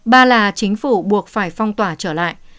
ba là chính phủ buộc phải phong tỏa trở lại